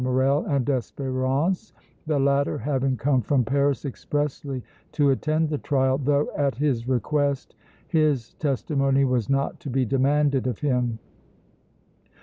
Morrel and Espérance, the latter having come from Paris expressly to attend the trial, though at his request his testimony was not to be demanded of him.